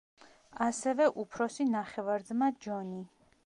ასევე უფროსი ნახევარ-ძმა ჯონი.